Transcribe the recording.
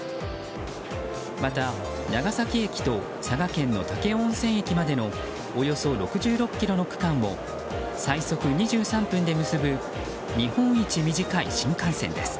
また、長崎駅と佐賀県の武雄温泉駅までのおよそ６６ｋｍの区間を最速２３分で結ぶ日本一短い新幹線です。